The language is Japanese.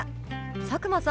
佐久間さん